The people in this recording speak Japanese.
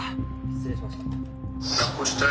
失礼しました。